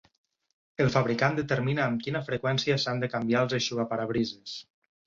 El fabricant determina amb quina freqüència s'han de canviar els eixugaparabrises.